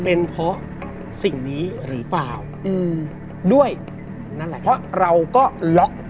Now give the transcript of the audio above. เป็นเพราะสิ่งนี้หรือเปล่าอืมด้วยนั่นแหละเพราะเราก็ล็อก